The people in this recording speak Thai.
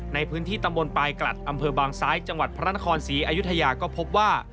ในพื้นที่ตำบลปลายกลัดอำเภอบางซ้ายจังหวัดพระนครศรีอยุธยาก็พบว่า